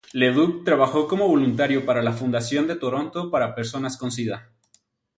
Leduc trabajó como voluntario para la Fundación de Toronto para personas con sida.